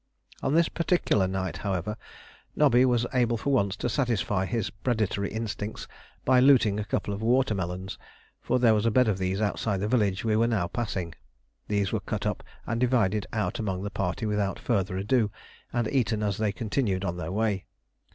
On this particular night, however, Nobby was able for once to satisfy his predatory instincts by looting a couple of water melons, for there was a bed of these outside the village we were now passing. These were cut up and divided out among the party without further ado, and eaten as they continued on their way.